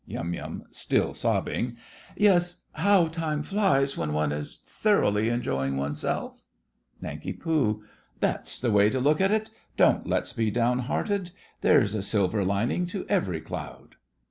YUM. (still sobbing). Yes. How time flies when one is thoroughly enjoying oneself! NANK. That's the way to look at it! Don't let's be downhearted! There's a silver lining to every cloud.